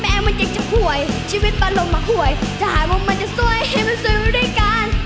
เป็นนางฟ้าที่บ่อได้มาจากสวรรค์